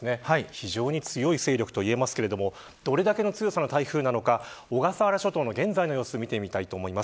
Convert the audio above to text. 非常に強い勢力といえますがどれだけの強さの台風なのか小笠原諸島の現在の様子を見てみたいと思います。